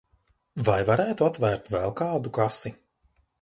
Vai varētu atvērt vēl kādu kasi?